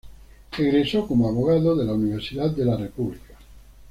Egresó como abogado de la Universidad de la República.